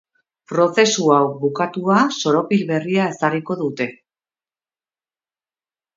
Prozesu hau bukatua soropil berria ezarriko dute.